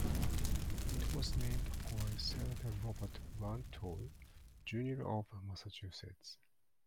It was named for Senator Robert Rantoul, Junior of Massachusetts.